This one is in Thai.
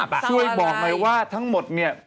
ผมจะบอกใหม่ว่าทั้งหมดเนี่ย